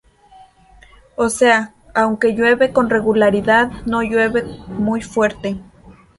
O sea, aunque llueve con regularidad, no llueve muy fuerte.